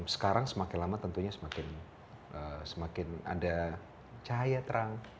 sekarang semakin lama tentunya semakin ada cahaya terang